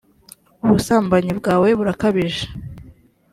ubusambanyi bwawe burakabije